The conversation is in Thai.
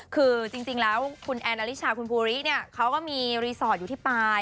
คือจริงแล้วคุณแอนอลิชาคุณภูริเนี่ยเขาก็มีรีสอร์ทอยู่ที่ปลาย